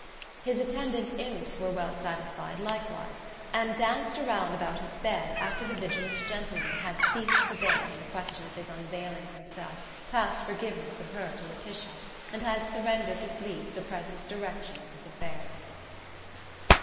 His attendant imps were well satisfied likewise, and danced around about his bed after the vigilant gentleman had ceased to debate on the question of his unveiling of himself past forgiveness of her to Laetitia, and had surrendered to sleep the present direction of his affairs.